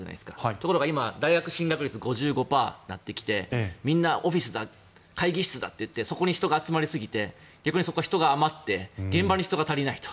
ところが今、大学進学率５５％になってきてみんなオフィスだ会議室だってそこに集まりすぎて逆に現場に人が足りないと。